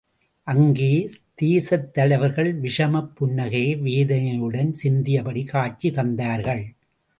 அங்கே, தேசத்தலைவர்கள் விஷமப் புன்னகையை வேதனையுடன் சிந்தியபடி காட்சி தந்தார்கள்.